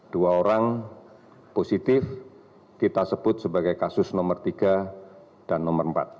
dua orang positif kita sebut sebagai kasus no tiga dan kasus no empat